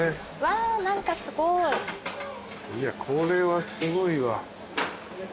いやこれはすごいわ。